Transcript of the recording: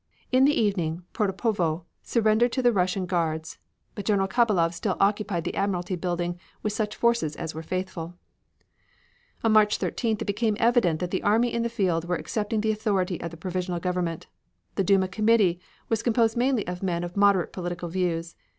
In the evening Protopovo surrendered to the Russian guards, but General Khabalov still occupied the Admiralty building with such forces as were faithful. On March 13th it became evident that the army in the field were accepting the authority of the provisional government. The Duma committee was composed mainly of men of moderate political views.